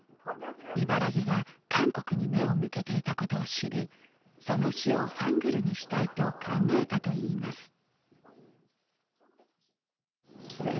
茨木が韓国に目を向けていたことを知りその詩をハングルにしたいと考えたといいます。